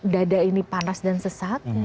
dada ini panas dan sesat